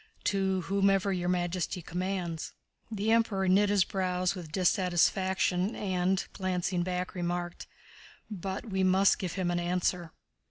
"To whomever Your Majesty commands." The Emperor knit his brows with dissatisfaction and, glancing back, remarked: "But we must give him an answer."